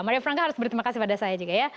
maria frangga harus berterima kasih pada saya juga ya